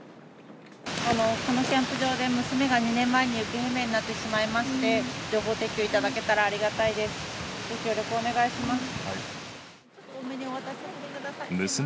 このキャンプ場で、娘が２年前に行方不明になってしまいまして、情報提供いただけたらありがたいです。